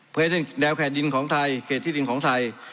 เพื่อให้แนวเขตดินของไทยเขตที่ดินของไทย